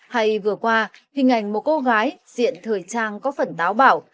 hay vừa qua hình ảnh một cô gái diện thời trang có phần táo bảo